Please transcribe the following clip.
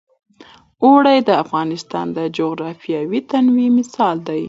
اوړي د افغانستان د جغرافیوي تنوع مثال دی.